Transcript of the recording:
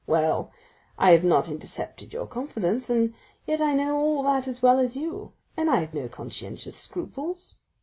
Well, I have not intercepted your confidence, and yet I know all that as well as you, and I have no conscientious scruples.